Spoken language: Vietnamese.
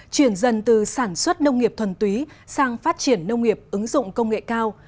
chuyển dần từ sản xuất nông nghiệp thuần túy sang phát triển nông nghiệp ứng dụng công nghệ cao